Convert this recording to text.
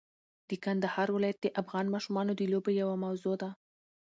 د کندهار ولایت د افغان ماشومانو د لوبو یوه موضوع ده.